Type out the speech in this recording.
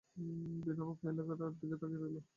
বিনু খুবই অবাক হয়ে লেখাটার দিকে তাকিয়ে রইল।